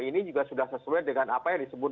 ini juga sudah sesuai dengan apa yang disebut